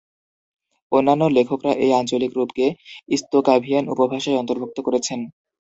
অন্যান্য লেখকরা এই আঞ্চলিক রূপকে স্তোকাভিয়ান উপভাষায় অন্তর্ভুক্ত করেছেন।